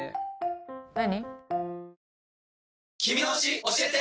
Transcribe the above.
何？